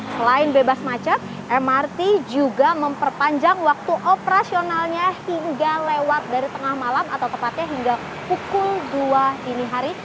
selain bebas macet mrt juga memperpanjang waktu operasionalnya hingga lewat dari tengah malam atau tepatnya hingga pukul dua dini hari